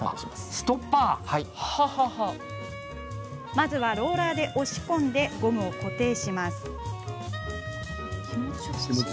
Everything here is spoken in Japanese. まずはローラーで押し込んでゴムを固定します。